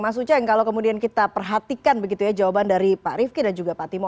mas uceng kalau kemudian kita perhatikan begitu ya jawaban dari pak rifki dan juga pak timo